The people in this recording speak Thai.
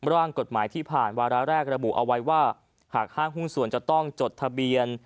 ร่างกฎหมายที่ผ่านวาระแรกระบุเอาไว้ว่าหากห้างหุ้นส่วนจะต้องจดทะเบียน